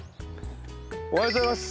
おはようございます。